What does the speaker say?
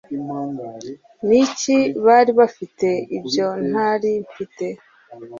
ni iki bari bafite ibyo ntari mfite